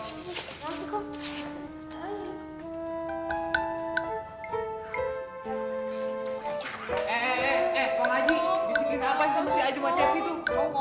disikin apa sih sama si ajo sama cepi tuh